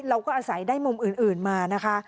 เราก็อาศัยได้มุมอื่นมานะคะ